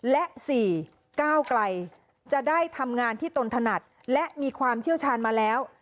และ๔ก้าวไกลจะได้ทำงานที่ตนถนัดและมีความเชี่ยวชาญมาแล้ว